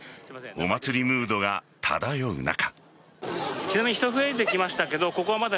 お祭りムードが漂う中。